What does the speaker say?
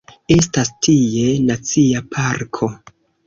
Estas tie nacia parko.